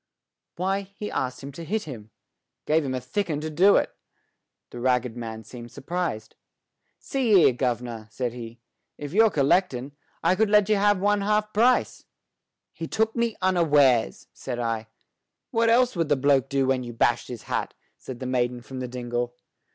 "Why, he asked him to hit him. Gave him a thick 'un to do it." The ragged man seemed surprised. "See here, gov'nor," said he. "If you're collectin', I could let you have one half price." "He took me unawares," said I. "What else would the bloke do when you bashed his hat?" said the maiden from the dingle.